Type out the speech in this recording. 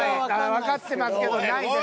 わかってますけどないです。